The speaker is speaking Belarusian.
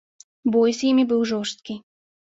Бой з імі быў жорсткі.